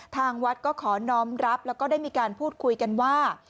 ทางวัดก็ขอน้องรับแล้วก็ได้มีการพูดคุยกันว่า